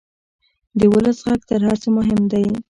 د ولس غږ تر هر څه مهم دی.